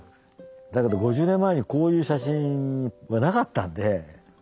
だけど５０年前にこういう写真はなかったんで。